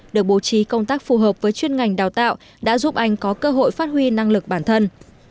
được bố trí công tác phù hợp với chuyên ngành đào tạo đã giúp anh có cơ hội phát huy năng lực bản thân